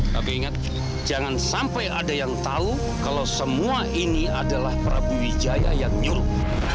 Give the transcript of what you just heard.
tapi ingat jangan sampai ada yang tahu kalau semua ini adalah prabu wijaya yang nyuruh